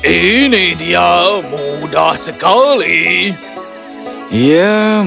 ini dia mudah sekali